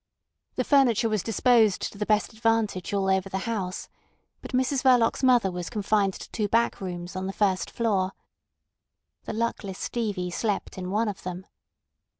The furniture was disposed to the best advantage all over the house, but Mrs Verloc's mother was confined to two back rooms on the first floor. The luckless Stevie slept in one of them.